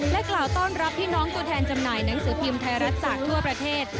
กล่าวต้อนรับพี่น้องตัวแทนจำหน่ายหนังสือพิมพ์ไทยรัฐจากทั่วประเทศ